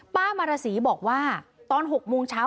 ป้ามารสีบอกว่าตอน๖โมงเช้า